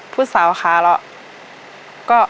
ผู้สาวค้าหรอก